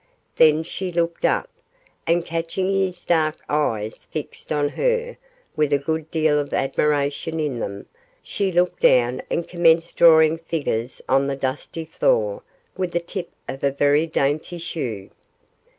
Then she looked up, and catching his dark eyes fixed on her with a good deal of admiration in them, she looked down and commenced drawing figures on the dusty floor with the tip of a very dainty shoe.